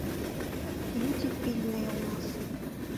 Людзі пільныя ў нас.